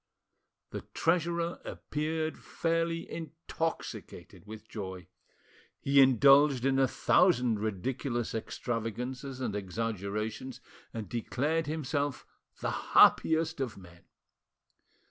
The treasurer appeared fairly intoxicated with joy. He indulged in a thousand ridiculous extravagances and exaggerations, and declared himself the happiest of men.